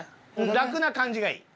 楽な感じがいい。